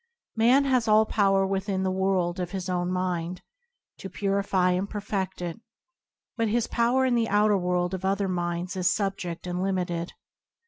Man has all power within the world of his own mind, to purify and perfed it, but his power in the outer world of other minds is subjed and limited.